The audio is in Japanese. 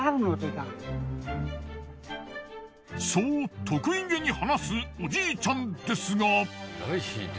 そう得意げに話すおじいちゃんですが。